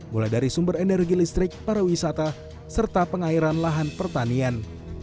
mulai dari sumber energi listrik para wisata serta pengairan lahan pertanian